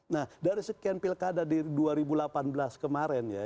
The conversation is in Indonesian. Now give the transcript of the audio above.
nah dari sekian pilkada di dua ribu delapan belas kemarin ya